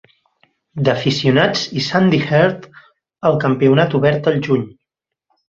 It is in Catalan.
d'Aficionats i Sandy Herd al campionat obert el juny.